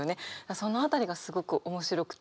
その辺りがすごく面白くて。